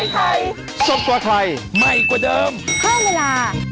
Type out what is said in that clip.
ค่ะสวัสดีค่า